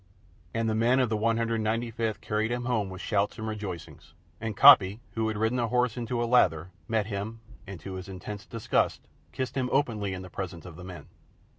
And the men of the 195th carried him home with shouts and rejoicings; and Coppy, who had ridden a horse into a lather, met him, and, to his intense disgust, kissed him openly in the presence of the men.